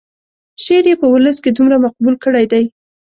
شعر یې په ولس کې دومره مقبول کړی دی.